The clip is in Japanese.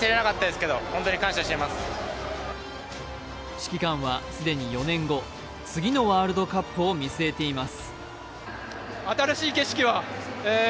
指揮官は既に４年後、次のワールドカップを見据えています。